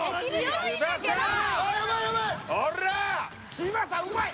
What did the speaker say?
嶋佐うまい！